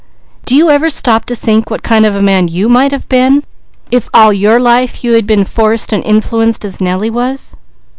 Do you ever stop to think what kind of a man you might have been, if all your life you had been forced and influenced as Nellie was?"